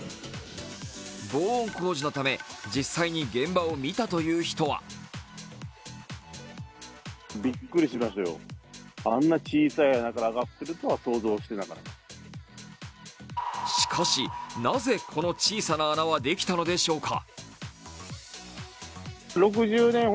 防音工事のため、実際に現場を見たという人はしかしなぜ、この小さな穴はできたのでしょうか。